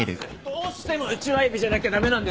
どうしてもウチワエビじゃなきゃ駄目なんですか？